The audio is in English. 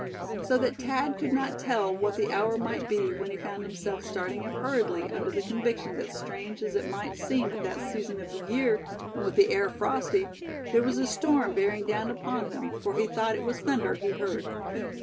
So that Thad could not tell what the hour might be when he found himself starting up hurriedly, under the conviction that strange as it might seem at that season of the year, and with the air frosty, there was a storm bearing down upon them, for he thought it was thunder he heard.